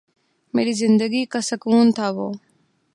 میری زندگی کا سکون تھا وہ